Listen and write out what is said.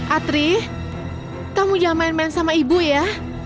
atri kamu jangan main main sama ibu ya